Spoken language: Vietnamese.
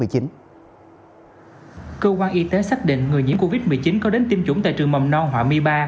cơ quan y tế xác định người nhiễm covid một mươi chín có đến tiêm chủng tại trường mầm non hòa my ba